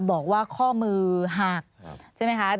บอกว่าข้อมือหักใช่ไหมคะ